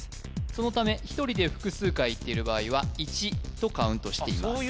そのため１人で複数回行っている場合は１とカウントしていますあっ